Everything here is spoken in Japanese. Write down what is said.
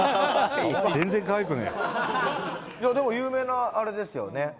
「でも有名なあれですよね」